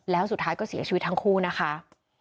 แล้วสุดท้ายก็เสียชีวิตทั้งคู่นะคะ